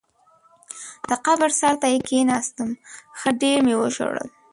د قبر سر ته یې کېناستم، ښه ډېر مې وژړل.